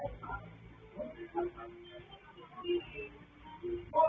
นี่คือบางช่วงบรรยากาศที่เกิดขึ้นในประวัติศาสตร์